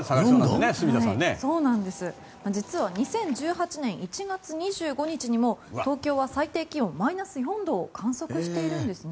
実は２０１８年１月２５日にも東京は最低気温マイナス４度を観測しているんですね。